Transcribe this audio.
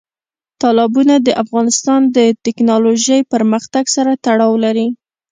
تالابونه د افغانستان د تکنالوژۍ پرمختګ سره تړاو لري.